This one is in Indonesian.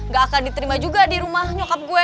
gak akan diterima juga di rumah nyokap gue